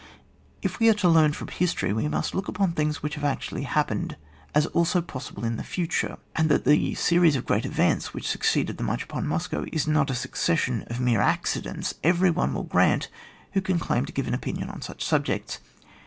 If we are to learn from history, we must look upon things which have actually happened as also possible in the future, and that the series of great events which succeeded the march upon Moscow is not a succession of mere acci dents every one will grant who can claim to give an opinion on such subjects.